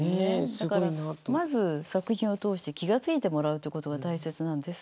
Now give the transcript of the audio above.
だからまず作品を通して気が付いてもらうということが大切なんです。